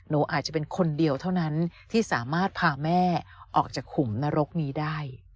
อาจจะเป็นคนเดียวเท่านั้นที่สามารถพาแม่ออกจากขุมนรกนี้ได้